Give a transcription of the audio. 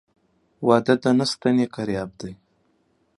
واده د نه ستني کرياب دى.